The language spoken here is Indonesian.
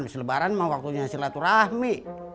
abis lebaran mah waktunya silaturahmi